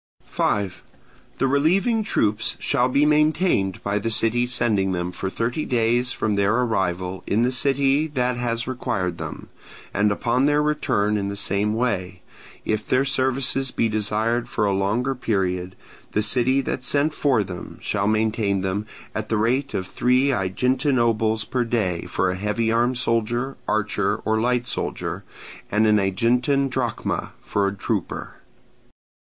5. The relieving troops shall be maintained by the city sending them for thirty days from their arrival in the city that has required them, and upon their return in the same way: if their services be desired for a longer period, the city that sent for them shall maintain them, at the rate of three Aeginetan obols per day for a heavy armed soldier, archer, or light soldier, and an Aeginetan drachma for a trooper.